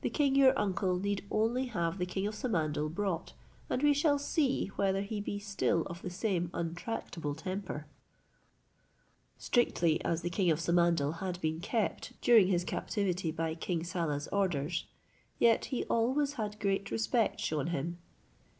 The king your uncle need only have the king of Samandal brought, and we shall see whether he be still of the same untractable temper." Strictly as the king of Samandal had been kept during his captivity by King Saleh's orders, yet he always had great respect shewn him.